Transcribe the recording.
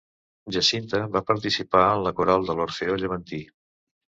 Jacinta va participar en la coral de l'Orfeó Llevantí.